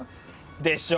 でしょ！